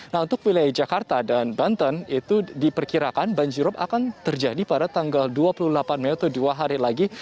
nah untuk wilayah jakarta dan banten itu diperkirakan banjirop akan terjadi pada tanggal dua puluh delapan mei atau dua hari lagi